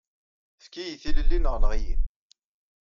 Efk-iyi tilelli neɣ enɣ-iyi.